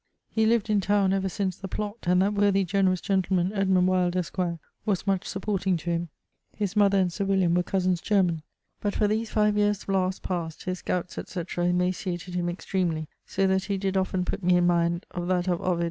He lived in towne ever since the Plott, and that worthy generous gentleman Edmund Wyld, esq., was much supporting to him. His mother and Sir William were cosens german. But for these 5 yeares last past his gowtes etc. emaciated him extremely; so that he did often put me in mind of that of Ovid.